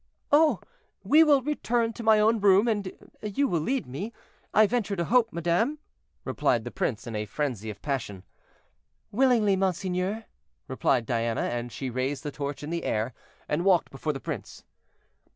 "Oh! we will return to my own room, and you will lead me, I venture to hope, madame?" replied the prince, in a frenzy of passion. "Willingly, monseigneur," replied Diana, and she raised the torch in the air, and walked before the prince.